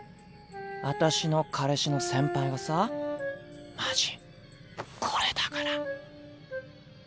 私の彼氏の先輩がさマジこれだから。